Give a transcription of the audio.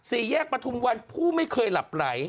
สี่แยกประทุมวันผู้ไม่เคยหลับไหล